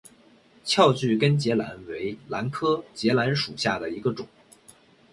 翘距根节兰为兰科节兰属下的一个种。